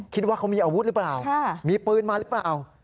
คิดว่าเขามีอาวุธหรือเปล่ามีปืนมาหรือเปล่า